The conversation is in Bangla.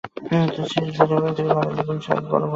সে ছেলেবেলা হইতেই নরেন্দ্রের গুণ ছাড়া দোষের কথা কিছুই শুনে নাই।